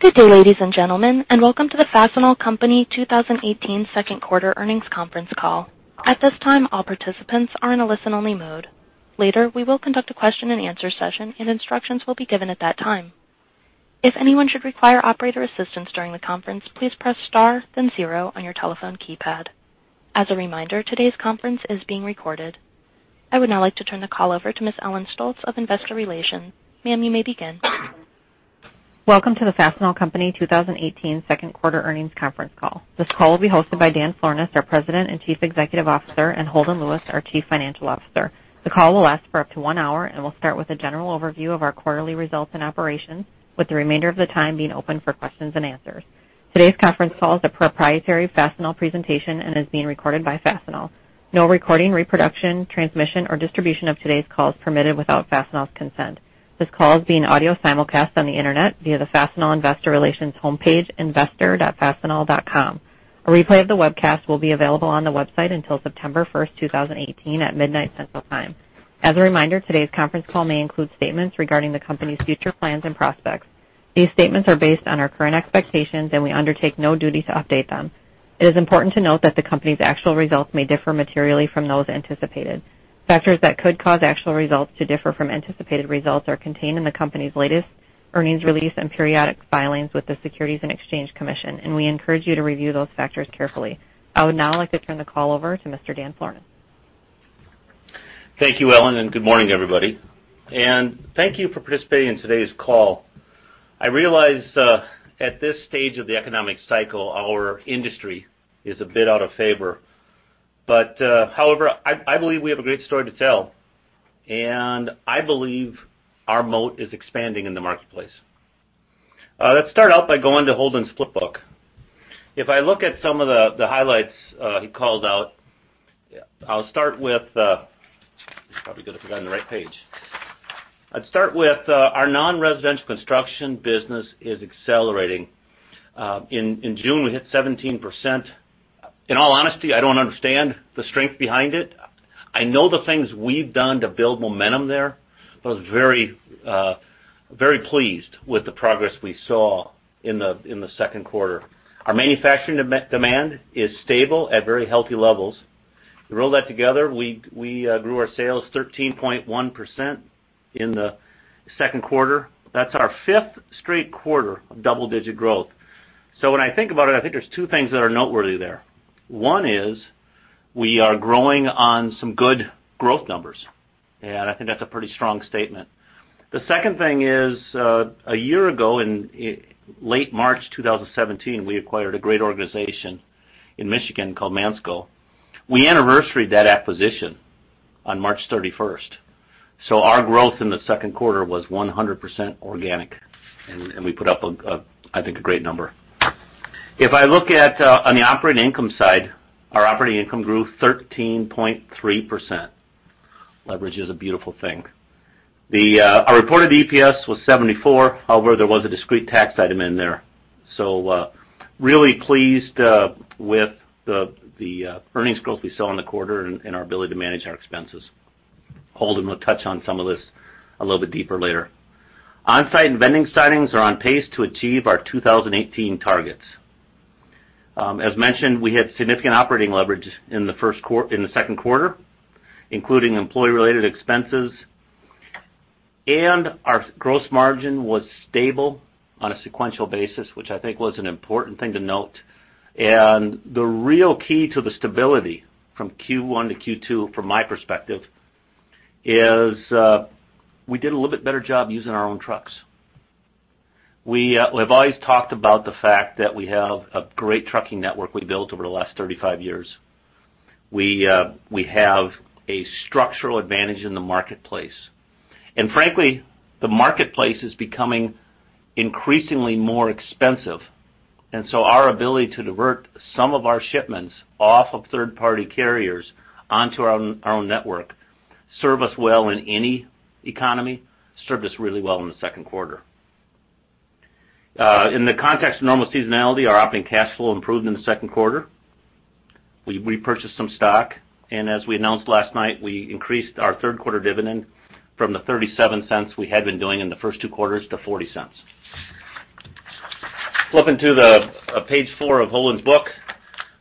Good day, ladies and gentlemen. Welcome to the Fastenal Company 2018 second quarter earnings conference call. At this time, all participants are in a listen-only mode. Later, we will conduct a question and answer session, and instructions will be given at that time. If anyone should require operator assistance during the conference, please press star then zero on your telephone keypad. As a reminder, today's conference is being recorded. I would now like to turn the call over to Ms. Ellen Stolts of Investor Relations. Ma'am, you may begin. Welcome to the Fastenal Company 2018 second quarter earnings conference call. This call will be hosted by Dan Florness, our President and Chief Executive Officer, and Holden Lewis, our Chief Financial Officer. The call will last for up to one hour. We'll start with a general overview of our quarterly results and operations, with the remainder of the time being open for questions and answers. Today's conference call is a proprietary Fastenal presentation and is being recorded by Fastenal. No recording, reproduction, transmission, or distribution of today's call is permitted without Fastenal's consent. This call is being audio simulcast on the internet via the Fastenal Investor Relations homepage, investor.fastenal.com. A replay of the webcast will be available on the website until September 1st, 2018, at midnight Central Time. As a reminder, today's conference call may include statements regarding the company's future plans and prospects. These statements are based on our current expectations. We undertake no duty to update them. It is important to note that the company's actual results may differ materially from those anticipated. Factors that could cause actual results to differ from anticipated results are contained in the company's latest earnings release and periodic filings with the Securities and Exchange Commission. We encourage you to review those factors carefully. I would now like to turn the call over to Mr. Dan Florness. Thank you, Ellen. Good morning, everybody. Thank you for participating in today's call. I realize, at this stage of the economic cycle, our industry is a bit out of favor. However, I believe we have a great story to tell. I believe our moat is expanding in the marketplace. Let's start out by going to Holden's flip book. If I look at some of the highlights he called out, It's probably good if I go on the right page. I'd start with our non-residential construction business is accelerating. In June, we hit 17%. In all honesty, I don't understand the strength behind it. I know the things we've done to build momentum there. I was very pleased with the progress we saw in the second quarter. Our manufacturing demand is stable at very healthy levels. We roll that together, we grew our sales 13.1% in the second quarter. That is our fifth straight quarter of double-digit growth. When I think about it, I think there are two things that are noteworthy there. One is we are growing on some good growth numbers, and I think that is a pretty strong statement. The second thing is, a year ago in late March 2017, we acquired a great organization in Michigan called Mansco. We anniversaried that acquisition on March 31st. Our growth in the second quarter was 100% organic, and we put up, I think, a great number. If I look at on the operating income side, our operating income grew 13.3%. Leverage is a beautiful thing. Our reported EPS was $0.74. However, there was a discrete tax item in there. Really pleased with the earnings growth we saw in the quarter and our ability to manage our expenses. Holden will touch on some of this a little bit deeper later. Onsite and vending signings are on pace to achieve our 2018 targets. As mentioned, we had significant operating leverage in the second quarter, including employee-related expenses. Our gross margin was stable on a sequential basis, which I think was an important thing to note. The real key to the stability from Q1 to Q2, from my perspective, is we did a little bit better job using our own trucks. We have always talked about the fact that we have a great trucking network we built over the last 35 years. We have a structural advantage in the marketplace. Frankly, the marketplace is becoming increasingly more expensive, and so our ability to divert some of our shipments off of third-party carriers onto our own network serve us well in any economy, served us really well in the second quarter. In the context of normal seasonality, our operating cash flow improved in the second quarter. We purchased some stock, and as we announced last night, we increased our third-quarter dividend from the $0.37 we had been doing in the first two quarters to $0.40. Flipping to page four of Holden's book.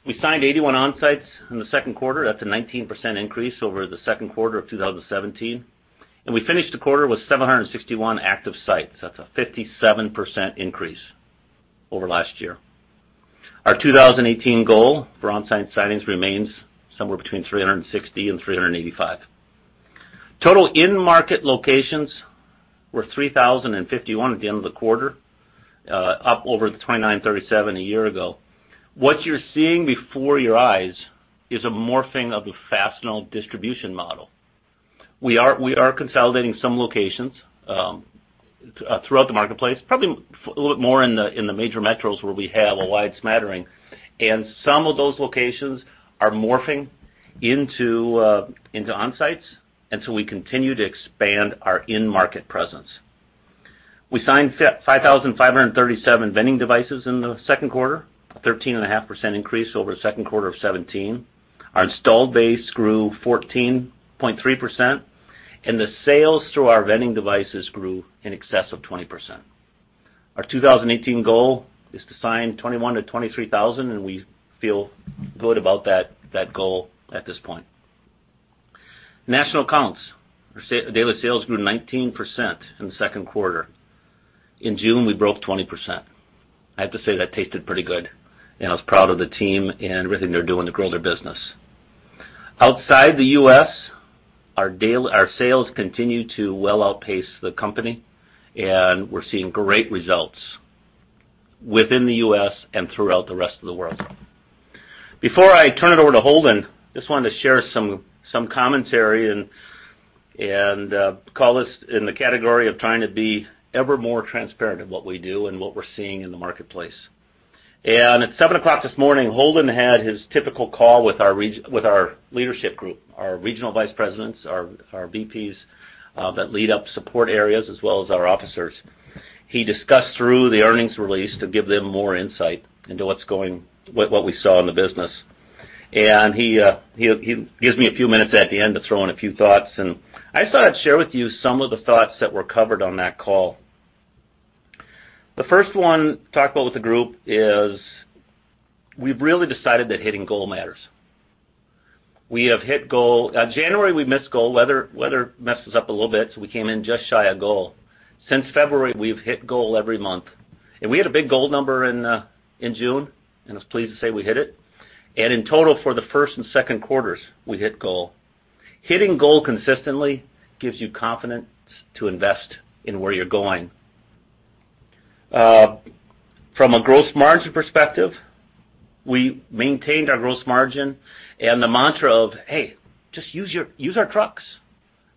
We signed 81 Onsites in the second quarter. That is a 19% increase over the second quarter of 2017. We finished the quarter with 761 active sites. That is a 57% increase over last year. Our 2018 goal for Onsite signings remains somewhere between 360 and 385. Total in-market locations were 3,051 at the end of the quarter, up over the 2,937 a year ago. What you are seeing before your eyes is a morphing of the Fastenal distribution model. We are consolidating some locations throughout the marketplace, probably a little bit more in the major metros where we have a wide smattering, and so some of those locations are morphing into Onsites, and so we continue to expand our in-market presence. We signed 5,537 vending devices in the second quarter, a 13.5% increase over the second quarter of 2017. Our installed base grew 14.3%. The sales through our vending devices grew in excess of 20%. Our 2018 goal is to sign 21,000 to 23,000, and we feel good about that goal at this point. National accounts. Daily sales grew 19% in the second quarter. In June, we broke 20%. I have to say, that tasted pretty good. I was proud of the team and everything they're doing to grow their business. Outside the U.S., our sales continue to well outpace the company, and we're seeing great results within the U.S. and throughout the rest of the world. Before I turn it over to Holden, just wanted to share some commentary and call this in the category of trying to be ever more transparent in what we do and what we're seeing in the marketplace. At 7:00 A.M. this morning, Holden had his typical call with our leadership group, our regional Vice Presidents, our VPs that lead up support areas, as well as our officers. He discussed through the earnings release to give them more insight into what we saw in the business. He gives me a few minutes at the end to throw in a few thoughts, and I thought I'd share with you some of the thoughts that were covered on that call. The first one to talk about with the group is we've really decided that hitting goal matters. We have hit goal. January, we missed goal. Weather messed us up a little bit, so we came in just shy of goal. Since February, we've hit goal every month. We had a big goal number in June, and was pleased to say we hit it. In total, for the first and second quarters, we hit goal. Hitting goal consistently gives you confidence to invest in where you're going. From a gross margin perspective, we maintained our gross margin and the mantra of, "Hey, just use our trucks,"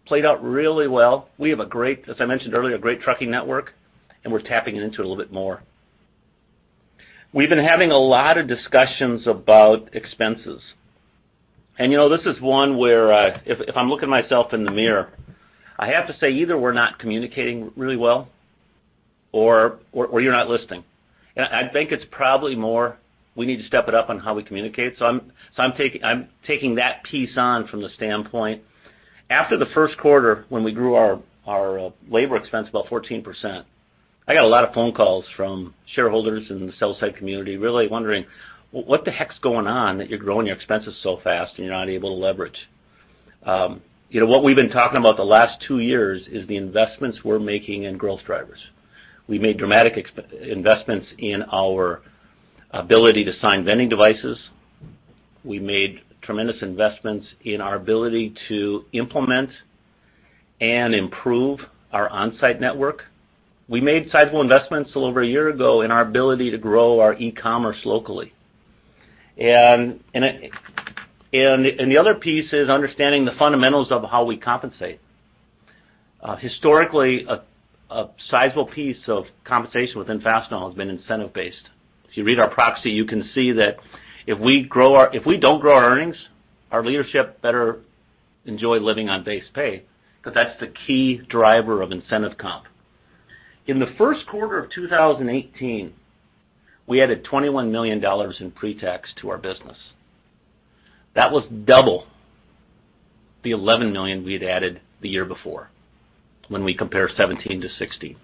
played out really well. We have, as I mentioned earlier, a great trucking network, and we're tapping into it a little bit more. We've been having a lot of discussions about expenses. This is one where if I'm looking myself in the mirror, I have to say, either we're not communicating really well or you're not listening. I think it's probably more we need to step it up on how we communicate. I'm taking that piece on from the standpoint. After the first quarter, when we grew our labor expense about 14%, I got a lot of phone calls from shareholders in the sell-side community really wondering, "What the heck's going on that you're growing your expenses so fast and you're not able to leverage?" What we've been talking about the last two years is the investments we're making in growth drivers. We made dramatic investments in our ability to sign vending devices. We made tremendous investments in our ability to implement and improve our Onsite network. We made sizable investments a little over a year ago in our ability to grow our e-commerce locally. The other piece is understanding the fundamentals of how we compensate. Historically, a sizable piece of compensation within Fastenal has been incentive-based. If you read our proxy, you can see that if we don't grow our earnings, our leadership better enjoy living on base pay, because that's the key driver of incentive comp. In the first quarter of 2018, we added $21 million in pre-tax to our business. That was double the $11 million we had added the year before, when we compare 2017 to 2016.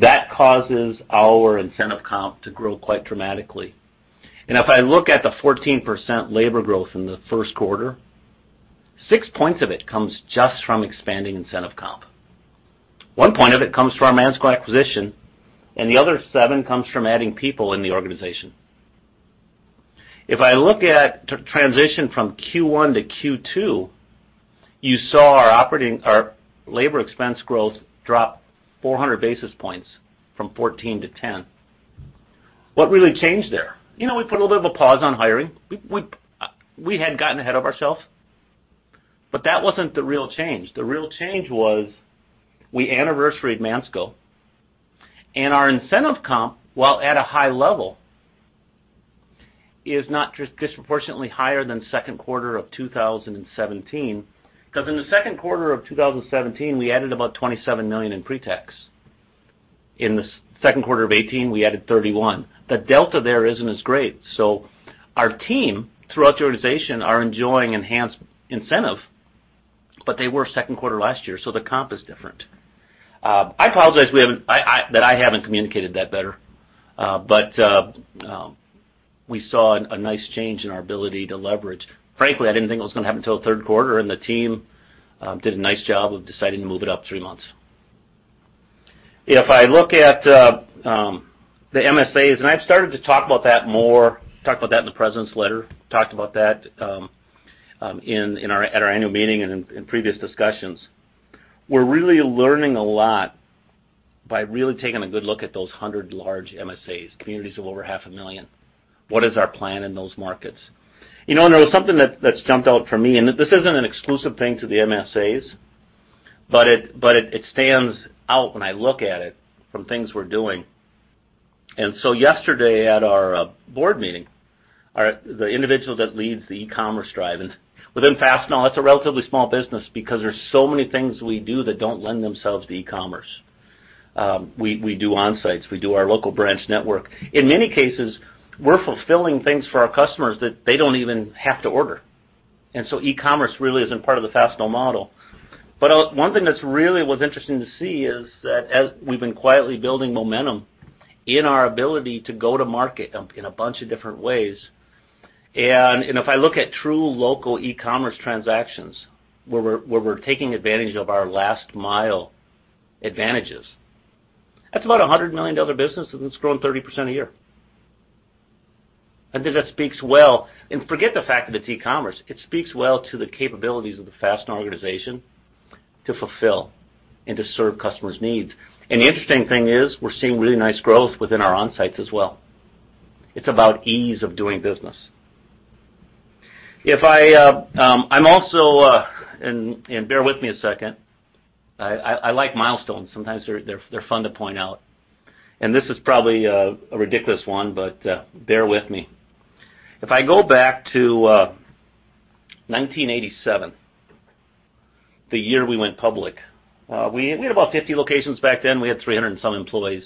That causes our incentive comp to grow quite dramatically. If I look at the 14% labor growth in the first quarter, six points of it comes just from expanding incentive comp. One point of it comes from our Mansco acquisition, and the other seven comes from adding people in the organization. If I look at transition from Q1 to Q2, you saw our labor expense growth drop 400 basis points from 14 to 10. What really changed there? We put a little bit of a pause on hiring. We had gotten ahead of ourselves. That wasn't the real change. The real change was we anniversaried Mansco, and our incentive comp, while at a high level, is not disproportionately higher than second quarter of 2017. Because in the second quarter of 2017, we added about $27 million in pre-tax. In the second quarter of 2018, we added 31. The delta there isn't as great. Our team throughout the organization are enjoying enhanced incentive, but they were second quarter last year, so the comp is different. I apologize that I haven't communicated that better. We saw a nice change in our ability to leverage. Frankly, I didn't think it was going to happen till the third quarter, and the team did a nice job of deciding to move it up three months. If I look at the MSAs, I've started to talk about that more, talked about that in the President's Letter, talked about that at our annual meeting and in previous discussions. We're really learning a lot by really taking a good look at those 100 large MSAs, communities of over half a million. What is our plan in those markets? There was something that's jumped out for me, and this isn't an exclusive thing to the MSAs, but it stands out when I look at it from things we're doing. Yesterday at our board meeting, the individual that leads the e-commerce drive, and within Fastenal, that's a relatively small business because there's so many things we do that don't lend themselves to e-commerce. We do Onsites, we do our local branch network. In many cases, we're fulfilling things for our customers that they don't even have to order. E-commerce really isn't part of the Fastenal model. One thing that really was interesting to see is that as we've been quietly building momentum in our ability to go to market in a bunch of different ways. If I look at true local e-commerce transactions, where we're taking advantage of our last mile advantages, that's about $100 million business, and it's growing 30% a year. I think that speaks well, and forget the fact that it's e-commerce. It speaks well to the capabilities of the Fastenal organization to fulfill and to serve customers' needs. The interesting thing is we're seeing really nice growth within our Onsites as well. It's about ease of doing business. Bear with me a second. I like milestones. Sometimes they're fun to point out. This is probably a ridiculous one, but bear with me. If I go back to 1987, the year we went public, we had about 50 locations back then. We had 300 and some employees.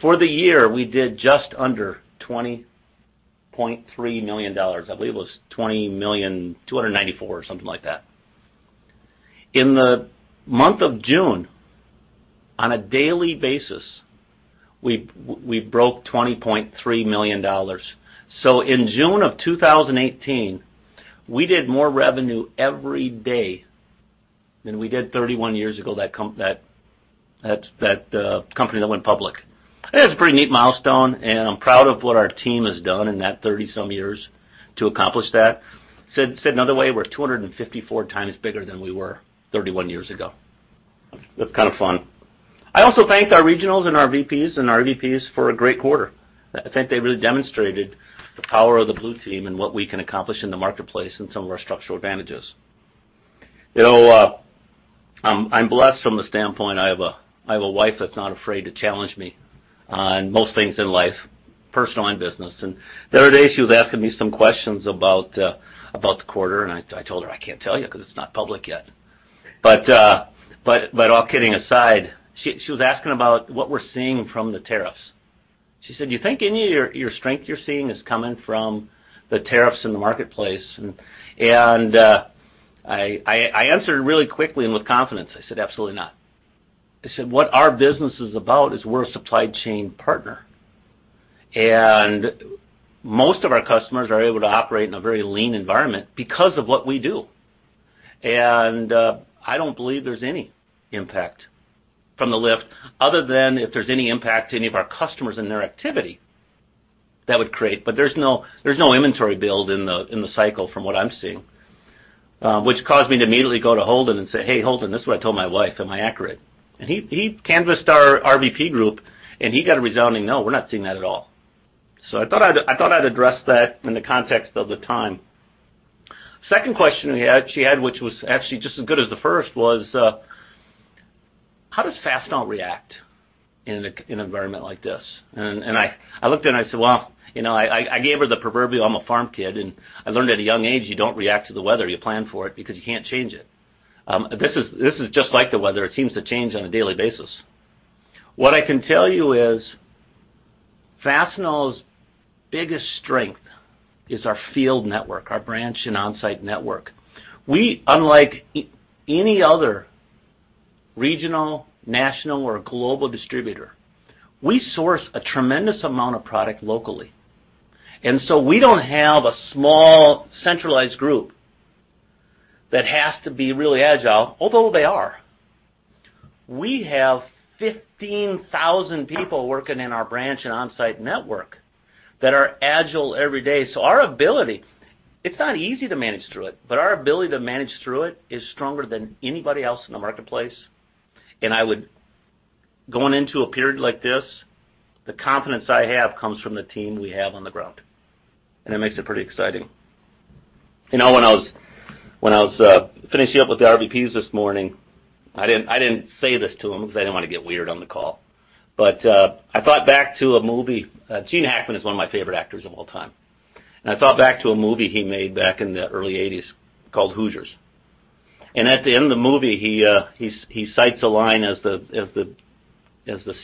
For the year, we did just under $20.3 million. I believe it was $20,294,000 or something like that. In the month of June, on a daily basis, we broke $20.3 million. In June of 2018, we did more revenue every day than we did 31 years ago, that company that went public. It's a pretty neat milestone, and I'm proud of what our team has done in that 30-some years to accomplish that. Said another way, we're 254 times bigger than we were 31 years ago. That's kind of fun. I also thanked our regionals and our VPs and RVPs for a great quarter. I think they really demonstrated the power of the blue team and what we can accomplish in the marketplace and some of our structural advantages. I'm blessed from the standpoint, I have a wife that's not afraid to challenge me on most things in life, personal and business. The other day, she was asking me some questions about the quarter, and I told her, "I can't tell you because it's not public yet." All kidding aside, she was asking about what we're seeing from the tariffs. She said, "You think any of your strength you're seeing is coming from the tariffs in the marketplace?" I answered really quickly and with confidence. I said, "Absolutely not." I said, "What our business is about is we're a supply chain partner, and most of our customers are able to operate in a very lean environment because of what we do." I don't believe there's any impact from the lift other than if there's any impact to any of our customers and their activity that would create. There's no inventory build in the cycle from what I'm seeing, which caused me to immediately go to Holden and say, "Hey, Holden, this is what I told my wife. Am I accurate?" He canvassed our RVP group, and he got a resounding no. We're not seeing that at all. I thought I'd address that in the context of the time. Second question she had, which was actually just as good as the first, was, how does Fastenal react in an environment like this? I looked at her and I said, well, I gave her the proverbial I'm a farm kid, and I learned at a young age, you don't react to the weather, you plan for it because you can't change it. This is just like the weather. It seems to change on a daily basis. What I can tell you is Fastenal's biggest strength is our field network, our branch, and Onsite network. We, unlike any other regional, national, or global distributor, we source a tremendous amount of product locally. We don't have a small centralized group that has to be really agile, although they are. We have 15,000 people working in our branch and Onsite network that are agile every day. Our ability, it's not easy to manage through it, but our ability to manage through it is stronger than anybody else in the marketplace. Going into a period like this, the confidence I have comes from the team we have on the ground, and it makes it pretty exciting. When I was finishing up with the RVPs this morning, I didn't say this to them because I didn't want to get weird on the call, but I thought back to a movie. Gene Hackman is one of my favorite actors of all time. I thought back to a movie he made back in the early '80s called "Hoosiers." At the end of the movie, he cites a line as the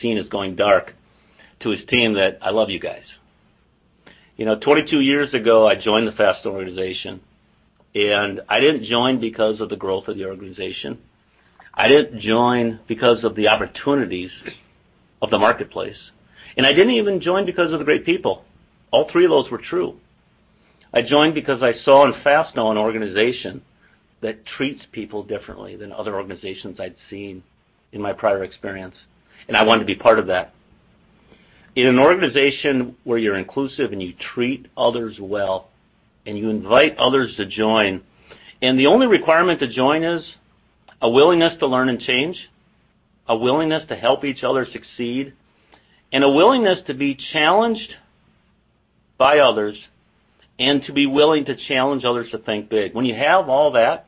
scene is going dark to his team that, "I love you guys." 22 years ago, I joined the Fastenal organization. I didn't join because of the growth of the organization. I didn't join because of the opportunities of the marketplace. I didn't even join because of the great people. All three of those were true. I joined because I saw in Fastenal an organization that treats people differently than other organizations I'd seen in my prior experience, and I wanted to be part of that. In an organization where you're inclusive and you treat others well, and you invite others to join, and the only requirement to join is a willingness to learn and change, a willingness to help each other succeed, and a willingness to be challenged by others and to be willing to challenge others to think big. When you have all that,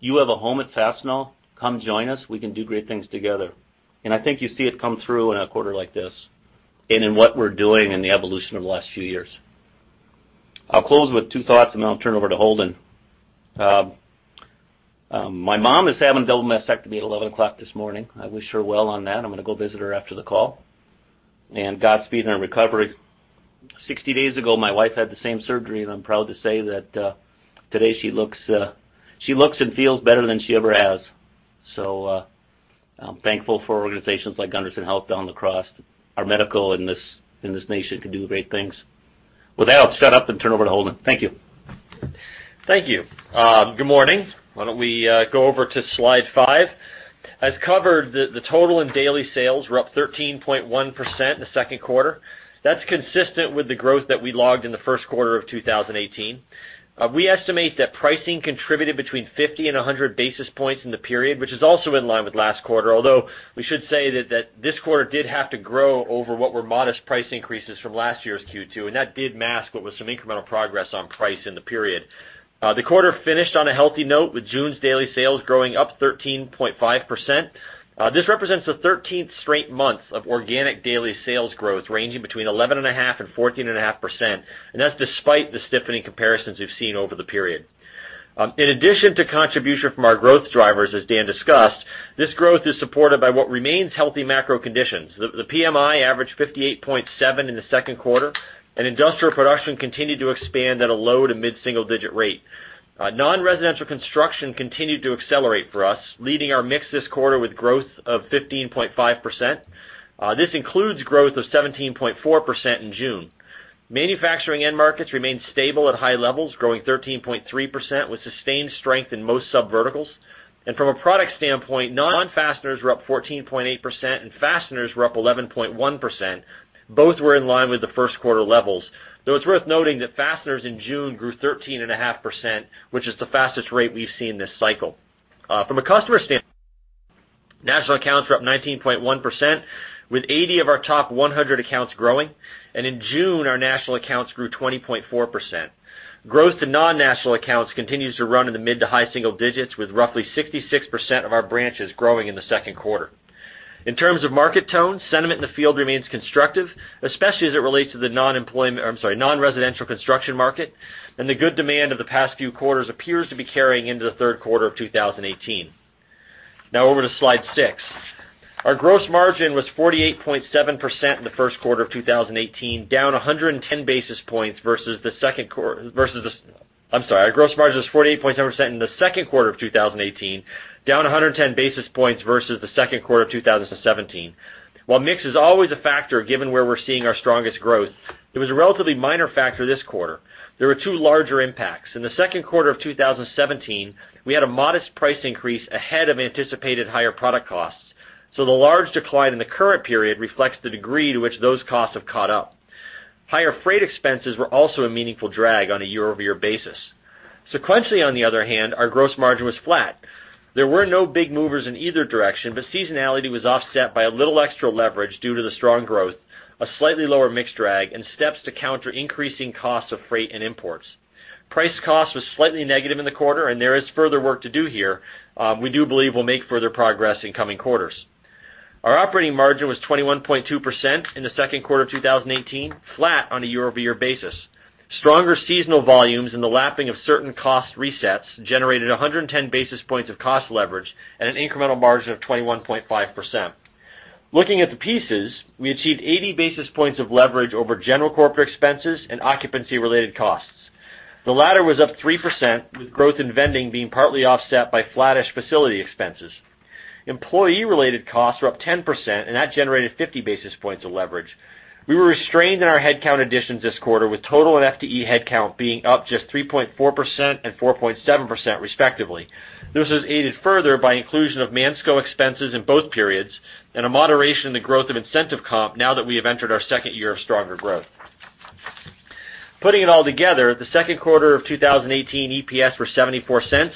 you have a home at Fastenal. Come join us. We can do great things together. I think you see it come through in a quarter like this and in what we're doing and the evolution over the last few years. I'll close with 2 thoughts, I'll turn it over to Holden. My mom is having a double mastectomy at 11:00 A.M. this morning. I wish her well on that. I'm going to go visit her after the call, and Godspeed in her recovery. 60 days ago, my wife had the same surgery, and I'm proud to say that today she looks and feels better than she ever has. I'm thankful for organizations like Gundersen Health down in La Crosse. Our medical in this nation can do great things. With that, I'll shut up and turn over to Holden. Thank you. Thank you. Good morning. Why don't we go over to slide five. As covered, the total and daily sales were up 13.1% in the second quarter. That's consistent with the growth that we logged in the first quarter of 2018. We estimate that pricing contributed between 50 and 100 basis points in the period, which is also in line with last quarter, although we should say that this quarter did have to grow over what were modest price increases from last year's Q2, and that did mask what was some incremental progress on price in the period. The quarter finished on a healthy note, with June's daily sales growing up 13.5%. This represents the 13th straight month of organic daily sales growth, ranging between 11.5% and 14.5%, and that's despite the stiffening comparisons we've seen over the period. In addition to contribution from our growth drivers, as Dan discussed, this growth is supported by what remains healthy macro conditions. The PMI averaged 58.7 in the second quarter, and industrial production continued to expand at a low- to mid-single-digit rate. Non-residential construction continued to accelerate for us, leading our mix this quarter with growth of 15.5%. This includes growth of 17.4% in June. Manufacturing end markets remained stable at high levels, growing 13.3% with sustained strength in most subverticals. From a product standpoint, non-fasteners were up 14.8%, and fasteners were up 11.1%. Both were in line with the first quarter levels, though it's worth noting that fasteners in June grew 13.5%, which is the fastest rate we've seen this cycle. From a customer standpoint, national accounts were up 19.1%, with 80 of our top 100 accounts growing. In June, our national accounts grew 20.4%. Growth to non-national accounts continues to run in the mid to high single digits, with roughly 66% of our branches growing in the second quarter. In terms of market tone, sentiment in the field remains constructive, especially as it relates to the non-residential construction market, the good demand of the past few quarters appears to be carrying into the third quarter of 2018. Over to slide six. Our gross margin was 48.7% in the second quarter of 2018, down 110 basis points versus the second quarter of 2017. While mix is always a factor given where we're seeing our strongest growth, it was a relatively minor factor this quarter. There were two larger impacts. In the second quarter of 2017, we had a modest price increase ahead of anticipated higher product costs. The large decline in the current period reflects the degree to which those costs have caught up. Higher freight expenses were also a meaningful drag on a year-over-year basis. Sequentially, on the other hand, our gross margin was flat. There were no big movers in either direction, but seasonality was offset by a little extra leverage due to the strong growth, a slightly lower mix drag, and steps to counter increasing costs of freight and imports. Price cost was slightly negative in the quarter, there is further work to do here. We do believe we'll make further progress in coming quarters. Our operating margin was 21.2% in the second quarter of 2018, flat on a year-over-year basis. Stronger seasonal volumes and the lapping of certain cost resets generated 110 basis points of cost leverage and an incremental margin of 21.5%. Looking at the pieces, we achieved 80 basis points of leverage over general corporate expenses and occupancy-related costs. The latter was up 3%, with growth in vending being partly offset by flattish facility expenses. Employee-related costs were up 10%, that generated 50 basis points of leverage. We were restrained in our headcount additions this quarter, with total and FTE headcount being up just 3.4% and 4.7% respectively. This was aided further by inclusion of Mansco expenses in both periods and a moderation in the growth of incentive comp now that we have entered our second year of stronger growth. Putting it all together, the second quarter of 2018 EPS were $0.74,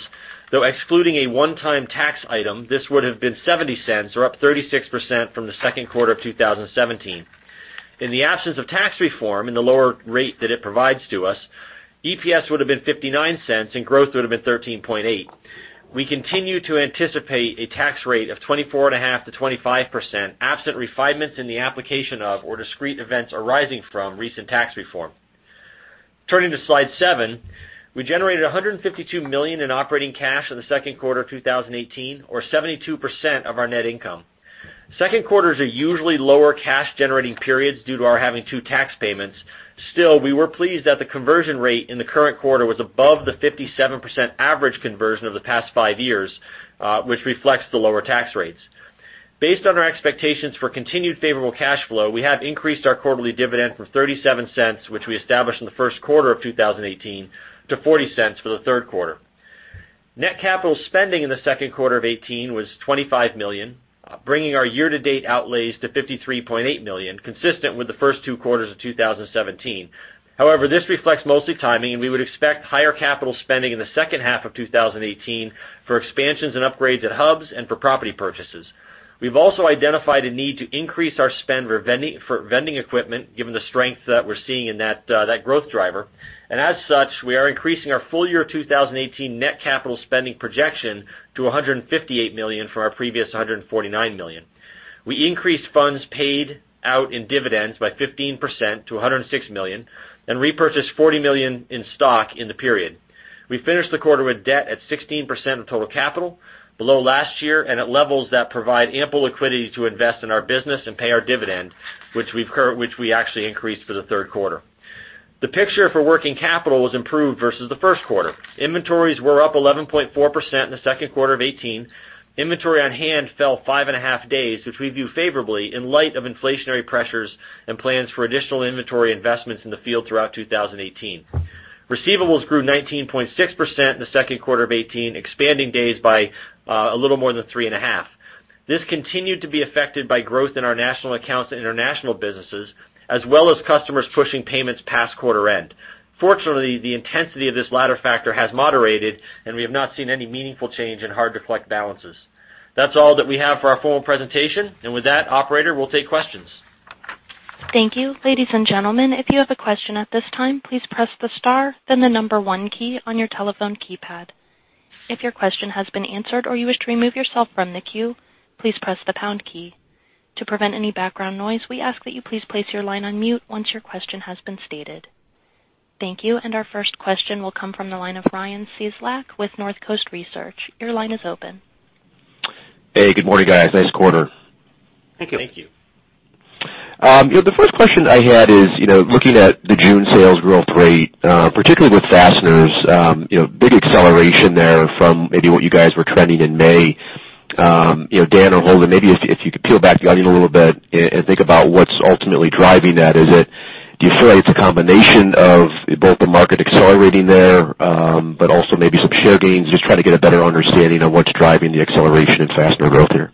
though excluding a one-time tax item, this would have been $0.70, or up 36% from the second quarter of 2017. In the absence of tax reform and the lower rate that it provides to us, EPS would have been $0.59, and growth would have been 13.8%. We continue to anticipate a tax rate of 24.5%-25%, absent refinements in the application of or discrete events arising from recent tax reform. Turning to slide seven, we generated $152 million in operating cash in the second quarter of 2018 or 72% of our net income. Second quarters are usually lower cash-generating periods due to our having two tax payments. Still, we were pleased that the conversion rate in the current quarter was above the 57% average conversion of the past five years, which reflects the lower tax rates. Based on our expectations for continued favorable cash flow, we have increased our quarterly dividend from $0.37, which we established in the first quarter of 2018, to $0.40 for the third quarter. Net capital spending in the second quarter of 2018 was $25 million, bringing our year-to-date outlays to $53.8 million, consistent with the first two quarters of 2017. However, this reflects mostly timing, and we would expect higher capital spending in the second half of 2018 for expansions and upgrades at hubs and for property purchases. We've also identified a need to increase our spend for vending equipment, given the strength that we're seeing in that growth driver. As such, we are increasing our full-year 2018 net capital spending projection to $158 million from our previous $149 million. We increased funds paid out in dividends by 15% to $106 million and repurchased $40 million in stock in the period. We finished the quarter with debt at 16% of total capital, below last year and at levels that provide ample liquidity to invest in our business and pay our dividend, which we actually increased for the third quarter. The picture for working capital was improved versus the first quarter. Inventories were up 11.4% in the second quarter of 2018. Inventory on hand fell five and a half days, which we view favorably in light of inflationary pressures and plans for additional inventory investments in the field throughout 2018. Receivables grew 19.6% in the second quarter of 2018, expanding days by a little more than three and a half. This continued to be affected by growth in our national accounts and international businesses, as well as customers pushing payments past quarter end. Fortunately, the intensity of this latter factor has moderated, and we have not seen any meaningful change in hard to collect balances. That's all that we have for our formal presentation. With that, operator, we'll take questions. Thank you. Ladies and gentlemen, if you have a question at this time, please press the star, then the number 1 key on your telephone keypad. If your question has been answered or you wish to remove yourself from the queue, please press the pound key. To prevent any background noise, we ask that you please place your line on mute once your question has been stated. Thank you. Our first question will come from the line of Ryan Cieslak with Northcoast Research. Your line is open. Hey, good morning, guys. Nice quarter. Thank you. Thank you. The first question I had is, looking at the June sales growth rate, particularly with fasteners, big acceleration there from maybe what you guys were trending in May. Dan or Holden, maybe if you could peel back the onion a little bit and think about what's ultimately driving that. Do you feel like it's a combination of both the market accelerating there, but also maybe some share gains? Just trying to get a better understanding of what's driving the acceleration in fastener growth here.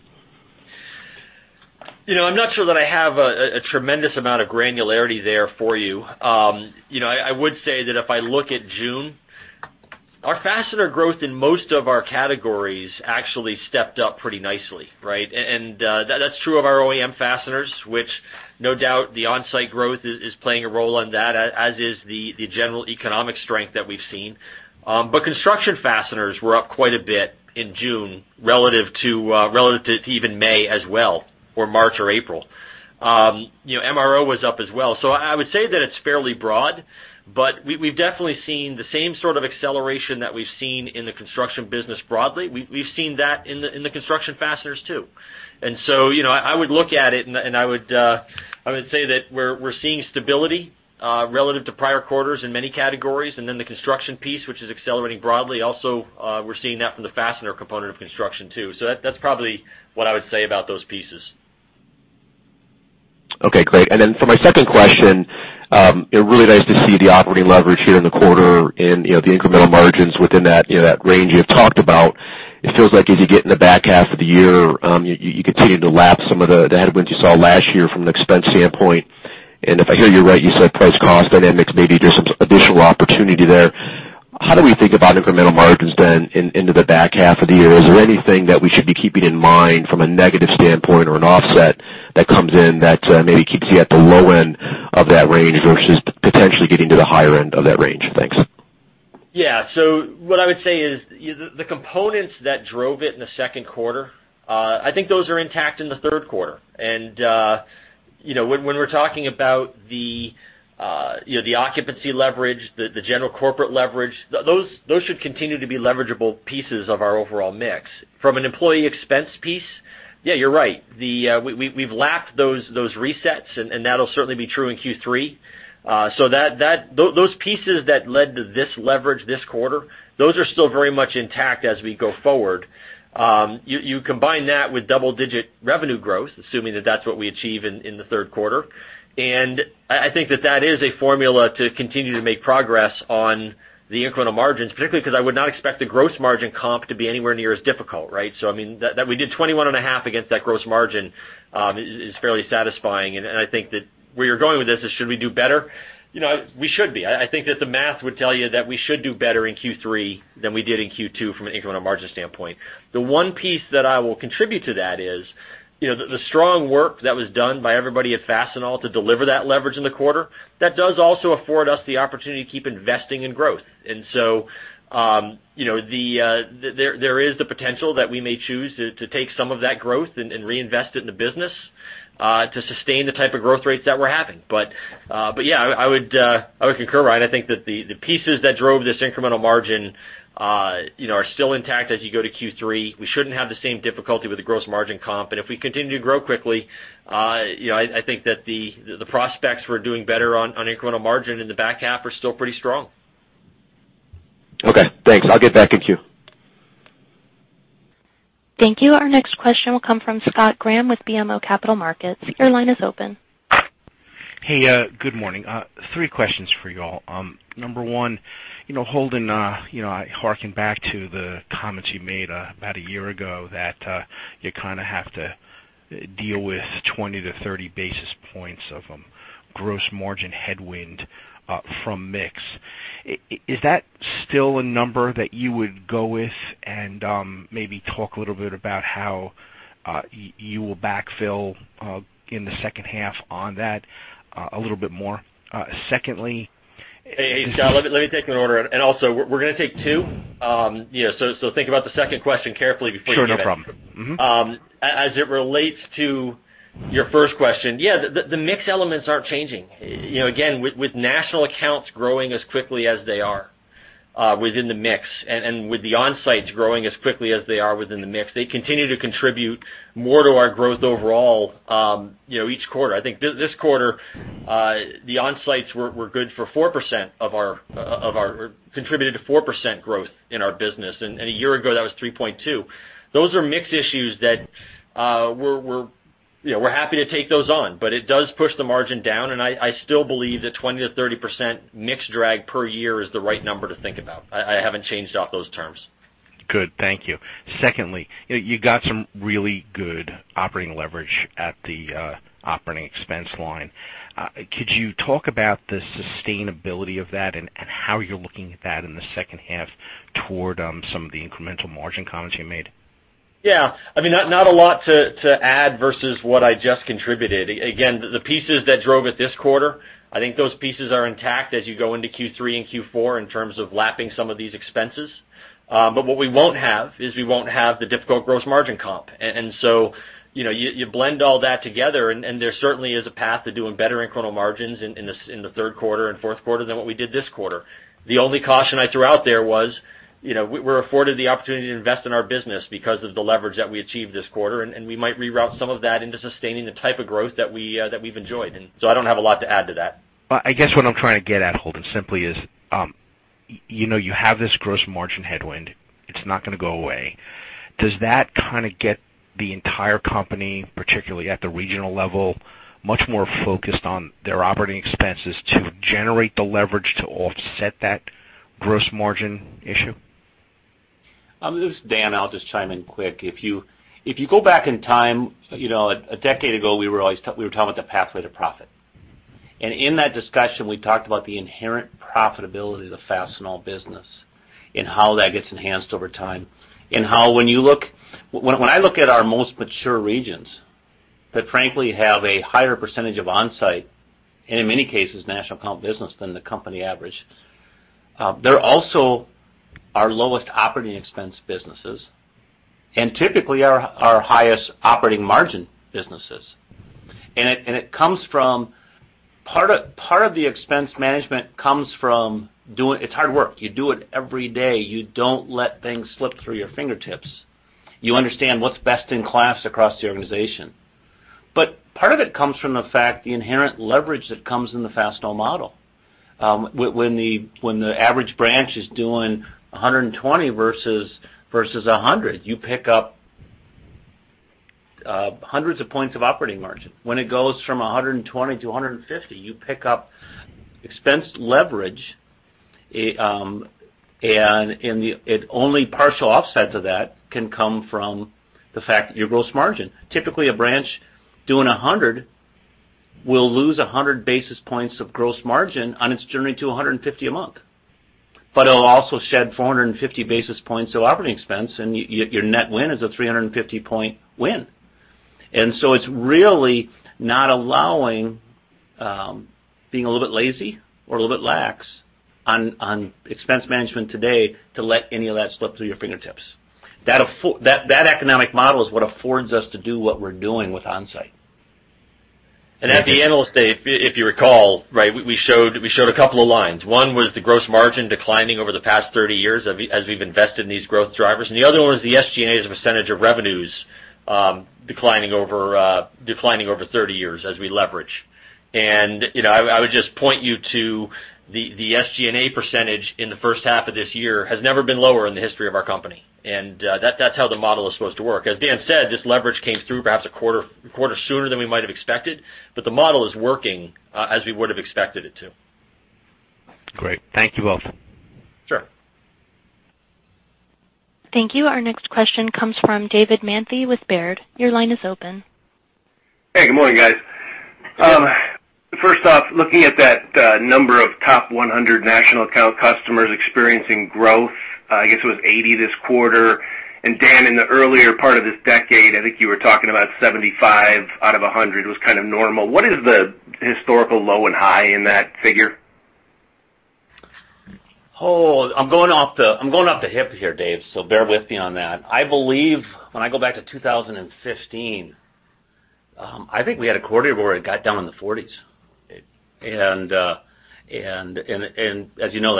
I'm not sure that I have a tremendous amount of granularity there for you. I would say that if I look at June, our fastener growth in most of our categories actually stepped up pretty nicely, right? That's true of our OEM fasteners, which no doubt the Onsite growth is playing a role in that, as is the general economic strength that we've seen. Construction fasteners were up quite a bit in June relative to even May as well, or March or April. MRO was up as well. I would say that it's fairly broad, but we've definitely seen the same sort of acceleration that we've seen in the construction business broadly. We've seen that in the construction fasteners, too. I would look at it and I would say that we're seeing stability, relative to prior quarters in many categories. The construction piece, which is accelerating broadly. Also, we're seeing that from the fastener component of construction, too. That's probably what I would say about those pieces. Okay, great. For my second question, really nice to see the operating leverage here in the quarter and the incremental margins within that range you have talked about. It feels like as you get in the back half of the year, you continue to lap some of the headwinds you saw last year from an expense standpoint. If I hear you right, you said price cost dynamics may be just some additional opportunity there. How do we think about incremental margins then into the back half of the year? Is there anything that we should be keeping in mind from a negative standpoint or an offset that comes in that maybe keeps you at the low end of that range versus potentially getting to the higher end of that range? Thanks. What I would say is, the components that drove it in the 2nd quarter, I think those are intact in the 3rd quarter. When we're talking about the occupancy leverage, the general corporate leverage, those should continue to be leverageable pieces of our overall mix. From an employee expense piece, yeah, you're right. We've lapped those resets, and that'll certainly be true in Q3. Those pieces that led to this leverage this quarter, those are still very much intact as we go forward. You combine that with double-digit revenue growth, assuming that that's what we achieve in the 3rd quarter, I think that that is a formula to continue to make progress on the incremental margins, particularly because I would not expect the gross margin comp to be anywhere near as difficult, right. I mean, that we did 21.5 against that gross margin is fairly satisfying, I think that where you're going with this is should we do better? We should be. I think that the math would tell you that we should do better in Q3 than we did in Q2 from an incremental margin standpoint. The one piece that I will contribute to that is, the strong work that was done by everybody at Fastenal to deliver that leverage in the quarter, that does also afford us the opportunity to keep investing in growth. There is the potential that we may choose to take some of that growth and reinvest it in the business, to sustain the type of growth rates that we're having. Yeah, I would concur, Ryan. I think that the pieces that drove this incremental margin are still intact as you go to Q3. We shouldn't have the same difficulty with the gross margin comp, if we continue to grow quickly, I think that the prospects for doing better on incremental margin in the back half are still pretty strong. Okay, thanks. I'll get back in queue. Thank you. Our next question will come from Scott Graham with BMO Capital Markets. Your line is open. Hey, good morning. Three questions for you all. Number one, Holden, hearkening back to the comments you made about a year ago that you kind of have to deal with 20-30 basis points of gross margin headwind from mix. Is that still a number that you would go with? Maybe talk a little bit about how you will backfill in the second half on that a little bit more. Secondly. Hey, Scott, let me take them in order. Also, we're going to take two, think about the second question carefully before you get it. Sure, no problem. Mm-hmm. As it relates to your first question, yeah, the mix elements aren't changing. Again, with national accounts growing as quickly as they are within the mix, and with the Onsites growing as quickly as they are within the mix, they continue to contribute more to our growth overall each quarter. I think this quarter, the Onsites were good for 4% of our-- contributed to 4% growth in our business, and a year ago, that was 3.2%. Those are mix issues that we're happy to take those on, but it does push the margin down, and I still believe that 20%-30% mix drag per year is the right number to think about. I haven't changed off those terms. Good. Thank you. Secondly, you got some really good operating leverage at the operating expense line. Could you talk about the sustainability of that and how you're looking at that in the second half toward some of the incremental margin comments you made? Yeah. Not a lot to add versus what I just contributed. Again, the pieces that drove it this quarter, I think those pieces are intact as you go into Q3 and Q4 in terms of lapping some of these expenses. What we won't have is we won't have the difficult gross margin comp. You blend all that together, and there certainly is a path to doing better incremental margins in the third quarter and fourth quarter than what we did this quarter. The only caution I threw out there was, we're afforded the opportunity to invest in our business because of the leverage that we achieved this quarter, and we might reroute some of that into sustaining the type of growth that we've enjoyed. I don't have a lot to add to that. I guess what I'm trying to get at, Holden, simply is, you have this gross margin headwind. It's not going to go away. Does that kind of get the entire company, particularly at the regional level, much more focused on their operating expenses to generate the leverage to offset that gross margin issue? This is Dan, I'll just chime in quick. If you go back in time, a decade ago, we were talking about the Pathway to Profit. In that discussion, we talked about the inherent profitability of the Fastenal business and how that gets enhanced over time. When I look at our most mature regions, that frankly have a higher percentage of Onsite, and in many cases, national account business than the company average, they're also our lowest operating expense businesses, and typically our highest operating margin businesses. Part of the expense management comes from it's hard work. You do it every day. You don't let things slip through your fingertips. You understand what's best in class across the organization. Part of it comes from the fact the inherent leverage that comes in the Fastenal model. When the average branch is doing 120 versus 100, you pick up hundreds of points of operating margin. When it goes from 120 to 150, you pick up expense leverage, and only partial offset to that can come from the fact that your gross margin. Typically, a branch doing 100 will lose 100 basis points of gross margin on its journey to 150 a month. It'll also shed 450 basis points of operating expense, and your net win is a 350-point win. It's really not allowing being a little bit lazy or a little bit lax on expense management today to let any of that slip through your fingertips. That economic model is what affords us to do what we're doing with Onsite. At the analyst day, if you recall, we showed a couple of lines. One was the gross margin declining over the past 30 years as we've invested in these growth drivers. The other one is the SG&A as a percentage of revenues declining over 30 years as we leverage. I would just point you to the SG&A percentage in the first half of this year has never been lower in the history of our company. That's how the model is supposed to work. As Dan said, this leverage came through perhaps a quarter sooner than we might have expected, the model is working as we would have expected it to. Great. Thank you both. Sure. Thank you. Our next question comes from David Manthey with Baird. Your line is open. Hey, good morning, guys. First off, looking at that number of top 100 national account customers experiencing growth, I guess it was 80 this quarter. Dan, in the earlier part of this decade, I think you were talking about 75 out of 100 was kind of normal. What is the historical low and high in that figure? I'm going off the hip here, Dave, bear with me on that. I believe when I go back to 2015, I think we had a quarter where it got down in the 40s. As you know,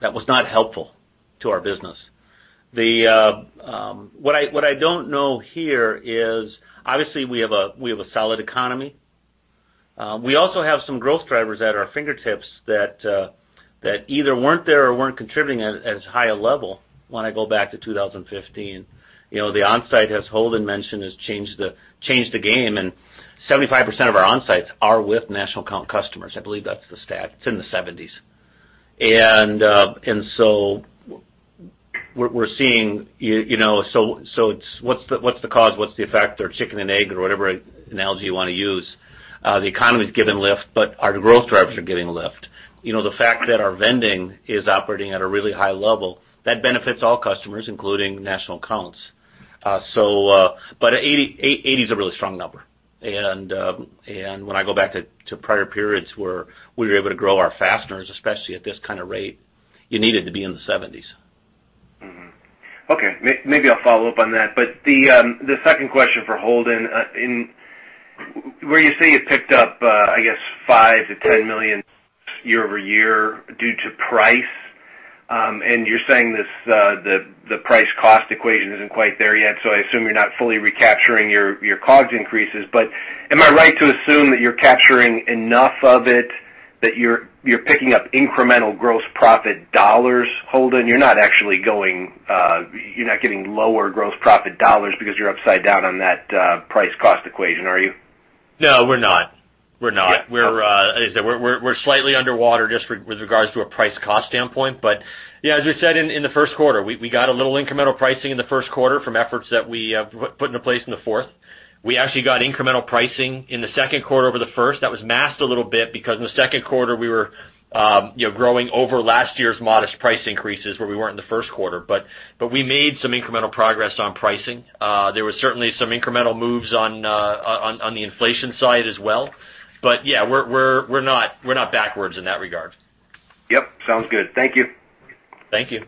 that was not helpful to our business. What I don't know here is, obviously, we have a solid economy. We also have some growth drivers at our fingertips that either weren't there or weren't contributing at as high a level when I go back to 2015. The Onsite, as Holden mentioned, has changed the game, and 75% of our Onsites are with national account customers. I believe that's the stat. It's in the 70s. What's the cause, what's the effect, or chicken and egg or whatever analogy you want to use? The economy's giving lift, our growth drivers are giving lift. The fact that our vending is operating at a really high level, that benefits all customers, including national accounts. 80 is a really strong number. When I go back to prior periods where we were able to grow our fasteners, especially at this kind of rate, you needed to be in the 70s. Mm-hmm. Okay, maybe I'll follow up on that. The second question for Holden, where you say you picked up, I guess, $5 million-$10 million year-over-year due to price, you're saying the price cost equation isn't quite there yet, I assume you're not fully recapturing your COGS increases. Am I right to assume that you're capturing enough of it That you're picking up incremental gross profit dollars, Holden? You're not getting lower gross profit dollars because you're upside down on that price cost equation, are you? No, we're not. Yeah. Okay. We're slightly underwater just with regards to a price cost standpoint. Yeah, as we said in the first quarter, we got a little incremental pricing in the first quarter from efforts that we put into place in the fourth. We actually got incremental pricing in the second quarter over the first. That was masked a little bit because in the second quarter we were growing over last year's modest price increases where we weren't in the first quarter. We made some incremental progress on pricing. There was certainly some incremental moves on the inflation side as well. Yeah, we're not backwards in that regard. Yep. Sounds good. Thank you. Thank you.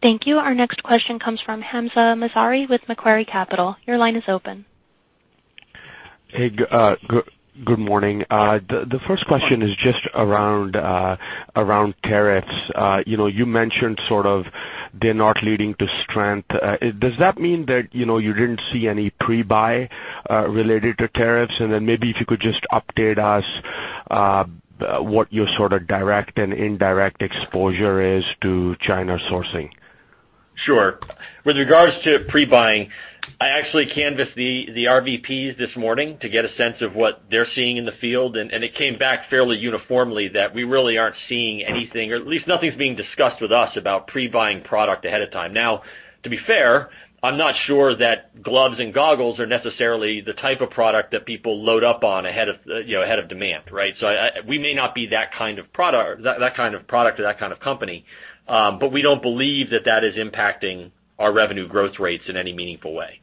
Thank you. Our next question comes from Hamzah Mazari with Macquarie Capital. Your line is open. Good morning. The first question is just around tariffs. You mentioned sort of they're not leading to strength. Does that mean that you didn't see any pre-buy related to tariffs? Then maybe if you could just update us, what your sort of direct and indirect exposure is to China sourcing. Sure. With regards to pre-buying, I actually canvassed the RVPs this morning to get a sense of what they're seeing in the field, and it came back fairly uniformly that we really aren't seeing anything, or at least nothing's being discussed with us about pre-buying product ahead of time. To be fair, I'm not sure that gloves and goggles are necessarily the type of product that people load up on ahead of demand, right? We may not be that kind of product or that kind of company. We don't believe that that is impacting our revenue growth rates in any meaningful way.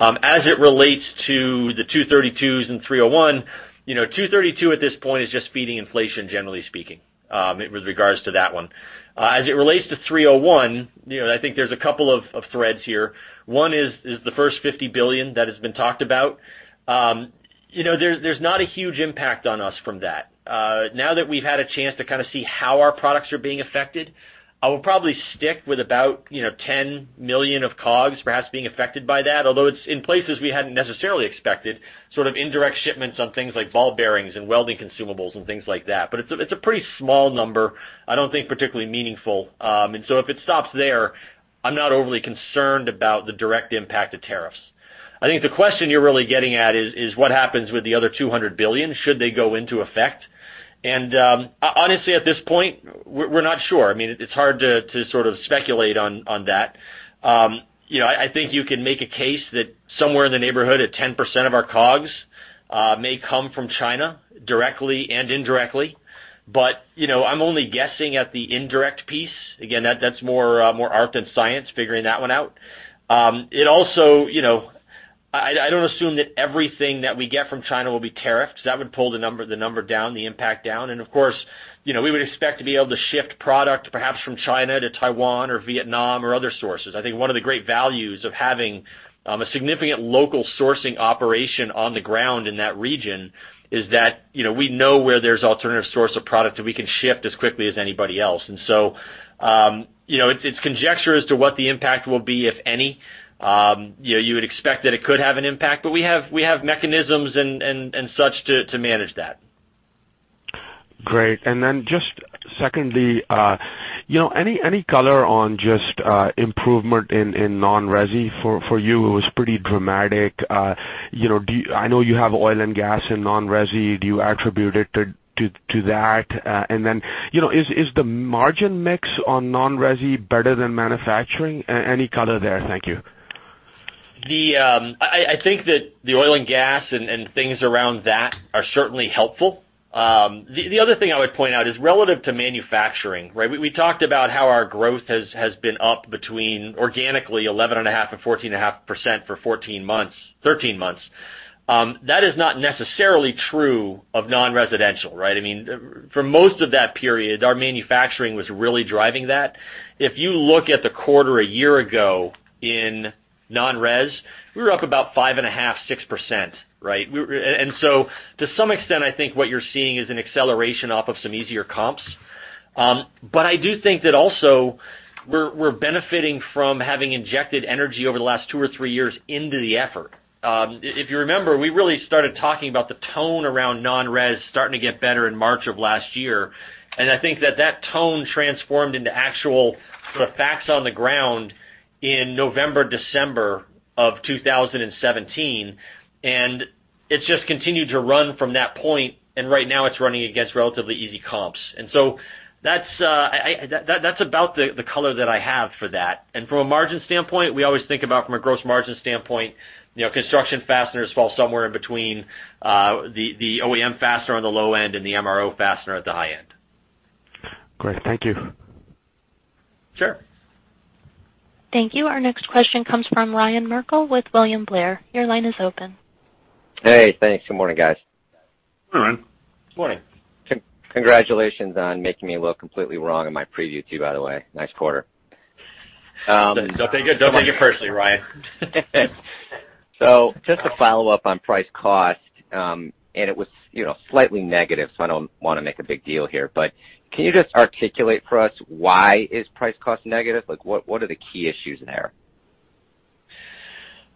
As it relates to the 232s and 301, 232 at this point is just feeding inflation, generally speaking, with regards to that one. As it relates to 301, I think there's a couple of threads here. One is the first $50 billion that has been talked about. There's not a huge impact on us from that. That we've had a chance to kind of see how our products are being affected, I will probably stick with about $10 million of COGS perhaps being affected by that. Although it's in places we hadn't necessarily expected, sort of indirect shipments on things like ball bearings and welding consumables and things like that. It's a pretty small number, I don't think particularly meaningful. If it stops there, I'm not overly concerned about the direct impact of tariffs. I think the question you're really getting at is what happens with the other $200 billion should they go into effect. Honestly, at this point, we're not sure. I mean, it's hard to sort of speculate on that. I think you can make a case that somewhere in the neighborhood of 10% of our COGS may come from China directly and indirectly. I'm only guessing at the indirect piece. Again, that's more art than science figuring that one out. I don't assume that everything that we get from China will be tariffed. That would pull the number down, the impact down. Of course, we would expect to be able to shift product perhaps from China to Taiwan or Vietnam or other sources. I think one of the great values of having a significant local sourcing operation on the ground in that region is that we know where there's alternative source of product that we can shift as quickly as anybody else. It's conjecture as to what the impact will be, if any. You would expect that it could have an impact, but we have mechanisms and such to manage that. Great. Just secondly, any color on just improvement in non-resi. For you, it was pretty dramatic. I know you have oil and gas and non-resi, do you attribute it to that? Is the margin mix on non-resi better than manufacturing? Any color there? Thank you. I think that the oil and gas and things around that are certainly helpful. The other thing I would point out is relative to manufacturing, right? We talked about how our growth has been up between organically 11.5%-14.5% for 13 months. That is not necessarily true of non-residential, right? I mean, for most of that period, our manufacturing was really driving that. If you look at the quarter a year ago in non-res, we were up about 5.5%-6%, right? To some extent, I think what you're seeing is an acceleration off of some easier comps. I do think that also we're benefiting from having injected energy over the last two or three years into the effort. If you remember, we really started talking about the tone around non-res starting to get better in March of last year, and I think that that tone transformed into actual sort of facts on the ground in November, December of 2017, and it's just continued to run from that point, and right now it's running against relatively easy comps. That's about the color that I have for that. From a margin standpoint, we always think about from a gross margin standpoint, construction fasteners fall somewhere in between the OEM fastener on the low end and the MRO fastener at the high end. Great. Thank you. Sure. Thank you. Our next question comes from Ryan Merkel with William Blair. Your line is open. Hey, thanks. Good morning, guys. Hi, Ryan. Good morning. Congratulations on making me look completely wrong in my preview too, by the way. Nice quarter. Don't take it personally, Ryan. Just to follow up on price cost, and it was slightly negative, so I don't want to make a big deal here, but can you just articulate for us why is price cost negative? What are the key issues there?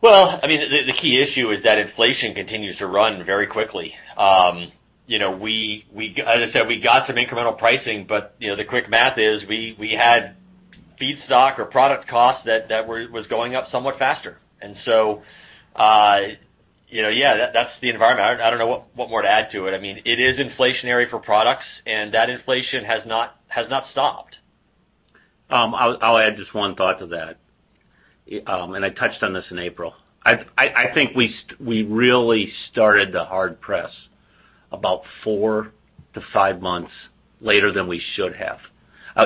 Well, the key issue is that inflation continues to run very quickly. As I said, we got some incremental pricing, the quick math is we had feedstock or product costs that was going up somewhat faster. Yeah, that's the environment. I don't know what more to add to it. It is inflationary for products, and that inflation has not stopped. I'll add just one thought to that, and I touched on this in April. I think we really started the hard press about four to five months later than we should have.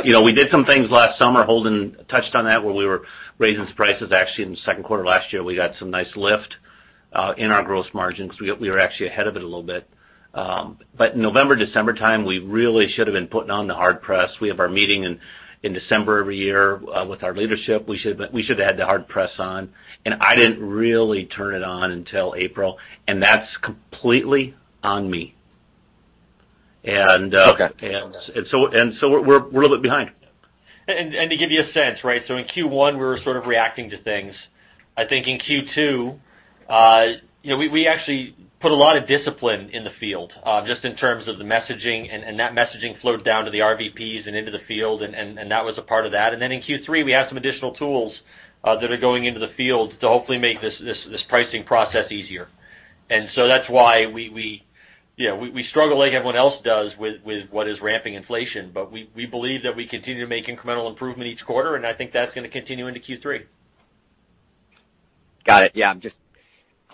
We did some things last summer, Holden touched on that, where we were raising prices. Actually, in the second quarter of last year, we got some nice lift in our gross margins. We were actually ahead of it a little bit. November, December time, we really should have been putting on the hard press. We have our meeting in December every year with our leadership. We should have had the hard press on, and I didn't really turn it on until April, and that's completely on me. Okay. We're a little bit behind. To give you a sense, in Q1, we were sort of reacting to things. I think in Q2, we actually put a lot of discipline in the field, just in terms of the messaging, and that messaging flowed down to the RVPs and into the field, and that was a part of that. In Q3, we have some additional tools that are going into the field to hopefully make this pricing process easier. That's why we struggle like everyone else does with what is ramping inflation. We believe that we continue to make incremental improvement each quarter, and I think that's going to continue into Q3. Got it. Yeah. I'm just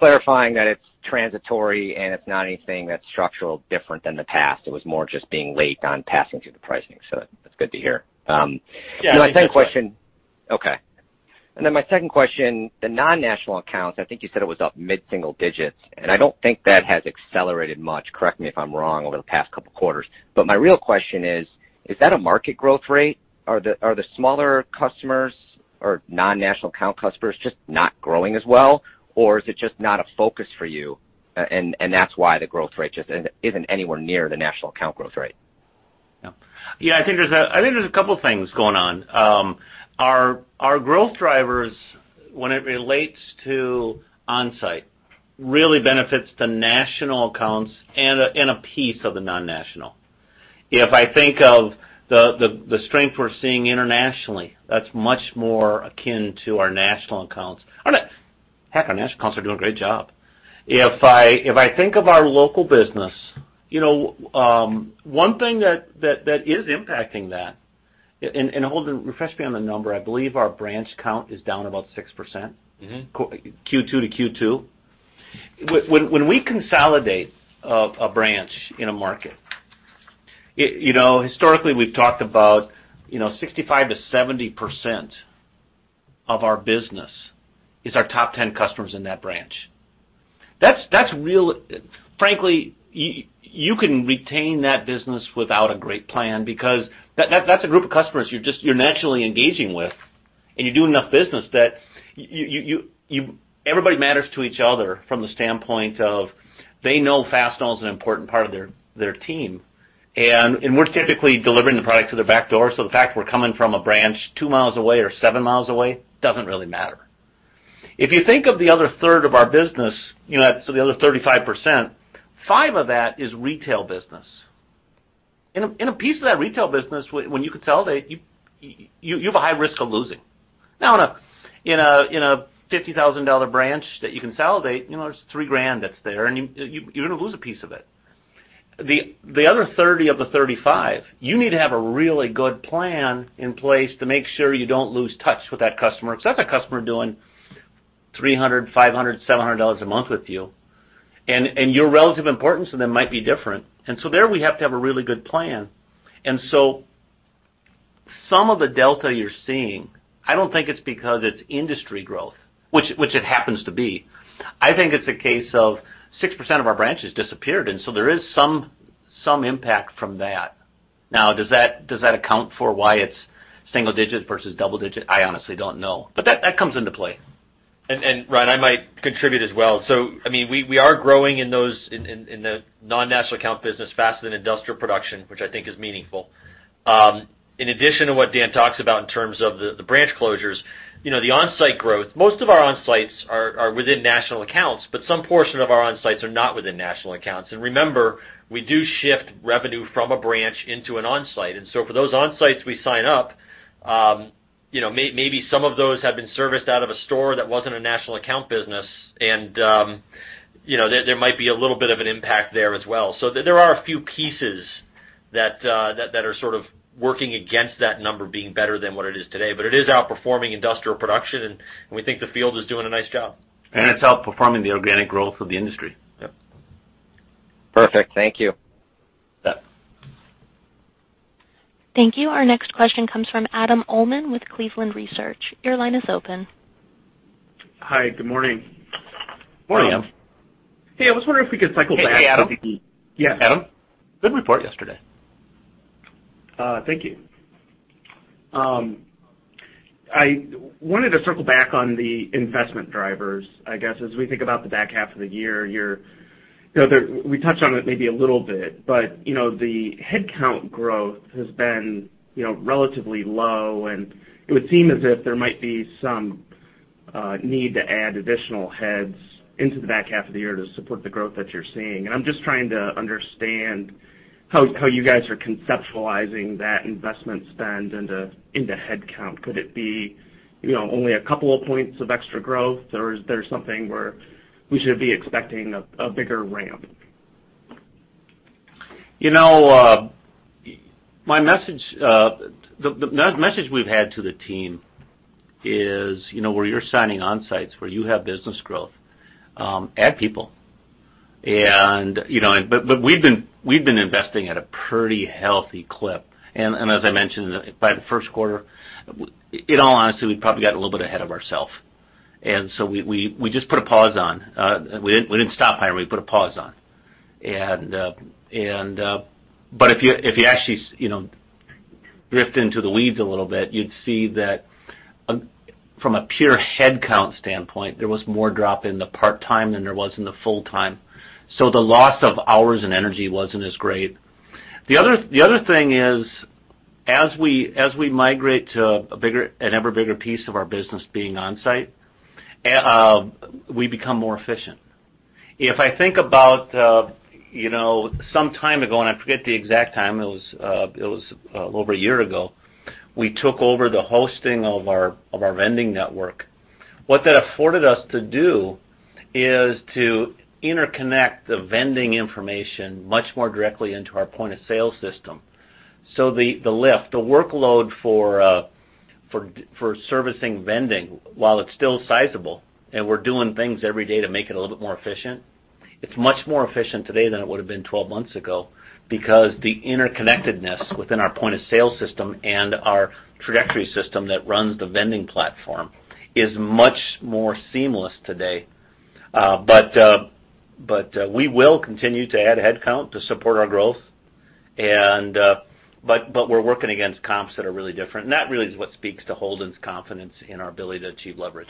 clarifying that it's transitory and it's not anything that's structurally different than the past. It was more just being late on passing through the pricing. That's good to hear. Yeah. My second question, the non-national accounts, I think you said it was up mid-single digits, I don't think that has accelerated much, correct me if I'm wrong, over the past couple of quarters. My real question is that a market growth rate? Are the smaller customers or non-national account customers just not growing as well, or is it just not a focus for you, that's why the growth rate just isn't anywhere near the national account growth rate? Yeah, I think there's a couple things going on. Our growth drivers, when it relates to Onsite, really benefits the national accounts and a piece of the non-national. If I think of the strength we're seeing internationally, that's much more akin to our national accounts. Heck, our national accounts are doing a great job. If I think of our local business, one thing that is impacting that, Holden, refresh me on the number, I believe our branch count is down about 6% Q2 to Q2. When we consolidate a branch in a market, historically we've talked about 65%-70% of our business is our top 10 customers in that branch. Frankly, you can retain that business without a great plan because that's a group of customers you're naturally engaging with, you do enough business that everybody matters to each other from the standpoint of they know Fastenal is an important part of their team. We're typically delivering the product to their back door, so the fact we're coming from a branch two miles away or seven miles away doesn't really matter. If you think of the other third of our business, the other 35%, five of that is retail business. In a piece of that retail business, when you consolidate, you have a high risk of losing. Now, in a $50,000 branch that you consolidate, there's $3,000 that's there, and you're going to lose a piece of it. The other 30 of the 35, you need to have a really good plan in place to make sure you don't lose touch with that customer, because that's a customer doing $300, $500, $700 a month with you, and your relative importance to them might be different. There we have to have a really good plan. Some of the delta you're seeing, I don't think it's because it's industry growth, which it happens to be. I think it's a case of 6% of our branches disappeared, and there is some impact from that. Does that account for why it's single digit versus double digit? I honestly don't know. That comes into play. Ryan, I might contribute as well. We are growing in the non-national account business faster than industrial production, which I think is meaningful. In addition to what Dan talks about in terms of the branch closures, the Onsite growth, most of our Onsites are within national accounts, but some portion of our Onsites are not within national accounts. Remember, we do shift revenue from a branch into an Onsite. For those Onsites we sign up, maybe some of those have been serviced out of a store that wasn't a national account business, and there might be a little bit of an impact there as well. There are a few pieces that are sort of working against that number being better than what it is today. It is outperforming industrial production, and we think the field is doing a nice job. It's outperforming the organic growth of the industry. Yep. Perfect. Thank you. Yep. Thank you. Our next question comes from Adam Uhlman with Cleveland Research. Your line is open. Hi. Good morning. Morning, Adam. Hey, I was wondering if we could cycle back. Hey, Adam. Yes. Adam, good report yesterday. Thank you. I wanted to circle back on the investment drivers, I guess, as we think about the back half of the year. We touched on it maybe a little bit, but the headcount growth has been relatively low, and it would seem as if there might be some need to add additional heads into the back half of the year to support the growth that you're seeing. I'm just trying to understand how you guys are conceptualizing that investment spend into headcount. Could it be only a couple of points of extra growth, or is there something where we should be expecting a bigger ramp? The message we've had to the team is, where you're signing Onsites, where you have business growth, add people. We've been investing at a pretty healthy clip, and as I mentioned, by the first quarter, in all honesty, we probably got a little bit ahead of ourselves. We just put a pause on. We didn't stop hiring, we put a pause on. If you actually drift into the weeds a little bit, you'd see that from a pure headcount standpoint, there was more drop in the part-time than there was in the full-time. The loss of hours and energy wasn't as great. The other thing is, as we migrate to an ever bigger piece of our business being Onsite, we become more efficient. If I think about some time ago, I forget the exact time, it was little over a year ago, we took over the hosting of our vending network. What that afforded us to do is to interconnect the vending information much more directly into our point-of-sale system. The lift, the workload for servicing vending, while it's still sizable, and we're doing things every day to make it a little bit more efficient, it's much more efficient today than it would've been 12 months ago because the interconnectedness within our point-of-sale system and our trajectory system that runs the vending platform is much more seamless today. We will continue to add headcount to support our growth, but we're working against comps that are really different. That really is what speaks to Holden's confidence in our ability to achieve leverage.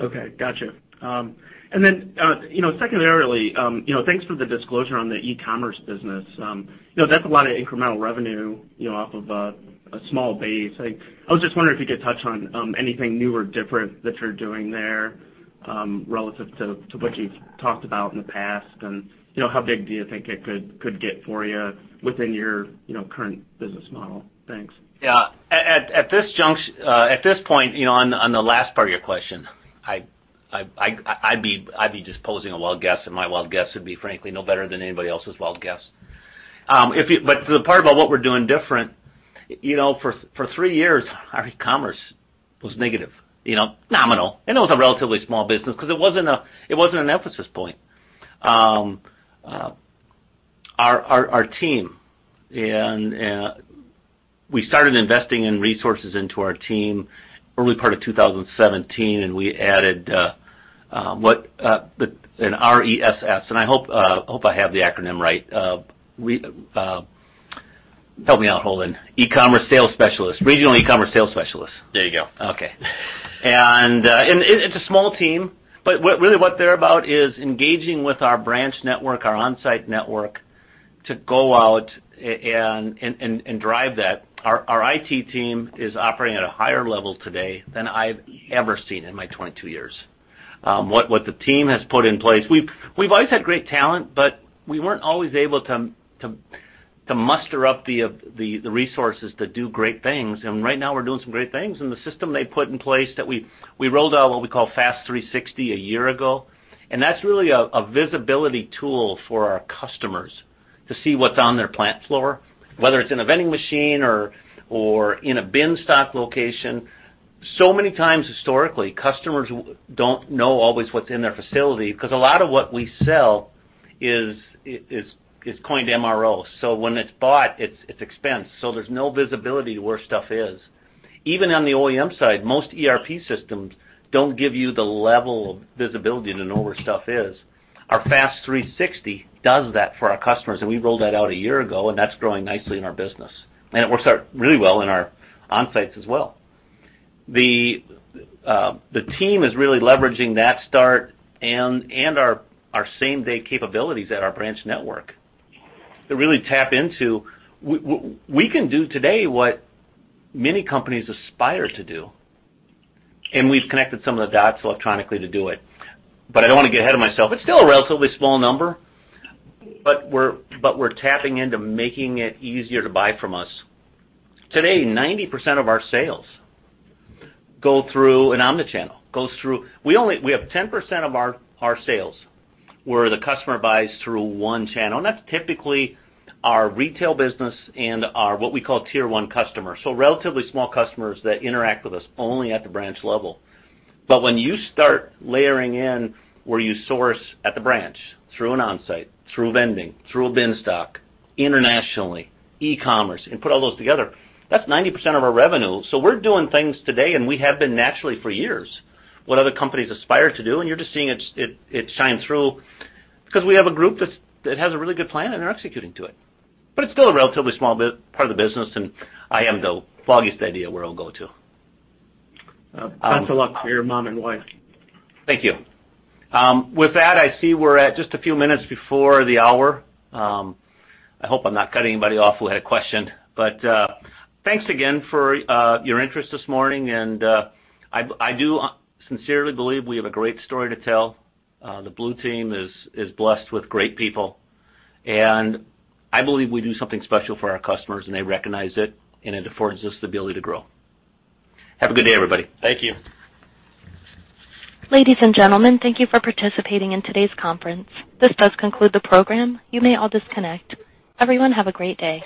Okay, got you. Then, secondarily, thanks for the disclosure on the e-commerce business. That's a lot of incremental revenue off of a small base. I was just wondering if you could touch on anything new or different that you're doing there, relative to what you've talked about in the past, and how big do you think it could get for you within your current business model? Thanks. Yeah. At this point, on the last part of your question, I'd be just posing a wild guess, my wild guess would be, frankly, no better than anybody else's wild guess. The part about what we're doing different, for three years, our e-commerce was negative. Nominal. It was a relatively small business because it wasn't an emphasis point. We started investing in resources into our team early part of 2017, we added an RESS, and I hope I have the acronym right. Help me out, Holden. E-commerce sales specialist. Regional e-commerce sales specialist. There you go. Okay. It's a small team, but really what they're about is engaging with our branch network, our Onsite network, to go out and drive that. Our IT team is operating at a higher level today than I've ever seen in my 22 years. What the team has put in place, we've always had great talent, but we weren't always able to muster up the resources to do great things. Right now, we're doing some great things. The system they put in place that we rolled out, what we call FAST360, a year ago. That's really a visibility tool for our customers to see what's on their plant floor, whether it's in a vending machine or in a bin stock location. Many times, historically, customers don't know always what's in their facility, because a lot of what we sell is coined MRO. When it's bought, it's expensed, so there's no visibility to where stuff is. Even on the OEM side, most ERP systems don't give you the level of visibility to know where stuff is. Our FAST360 does that for our customers, we rolled that out a year ago, that's growing nicely in our business. It works out really well in our Onsites as well. The team is really leveraging that start and our same-day capabilities at our branch network to really tap into. We can do today what many companies aspire to do, we've connected some of the dots electronically to do it. I don't want to get ahead of myself. It's still a relatively small number, but we're tapping into making it easier to buy from us. Today, 90% of our sales go through an omni-channel. We have 10% of our sales where the customer buys through one channel, that's typically our retail business and our what we call tier 1 customers. Relatively small customers that interact with us only at the branch level. When you start layering in where you source at the branch, through an Onsite, through vending, through a bin stock, internationally, e-commerce, and put all those together, that's 90% of our revenue. We're doing things today, we have been naturally for years, what other companies aspire to do, you're just seeing it shine through because we have a group that has a really good plan, they're executing to it. It's still a relatively small part of the business, I haven't the foggiest idea where it'll go to. Best of luck to your mom and wife. Thank you. With that, I see we're at just a few minutes before the hour. I hope I'm not cutting anybody off who had a question, but thanks again for your interest this morning, and I do sincerely believe we have a great story to tell. The blue team is blessed with great people, and I believe we do something special for our customers, and they recognize it, and it affords us the ability to grow. Have a good day, everybody. Thank you. Ladies and gentlemen, thank you for participating in today's conference. This does conclude the program. You may all disconnect. Everyone have a great day.